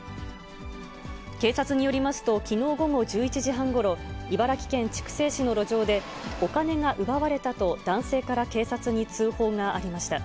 警察によりますと、きのう午後１１時半ごろ、茨城県筑西市の路上で、お金が奪われたと男性から警察に通報がありました。